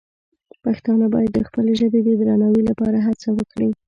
پښتانه باید د خپلې ژبې د درناوي لپاره هڅه وکړي.